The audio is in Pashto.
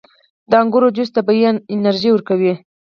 • د انګورو جوس طبیعي انرژي ورکوي.